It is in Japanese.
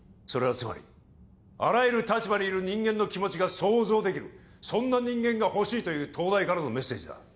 それはつまり、あらゆる立場にある人間の気持ちが想像できる、そんな人間が欲しいという東大からのメッセージだ。